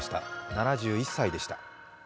７１歳でした。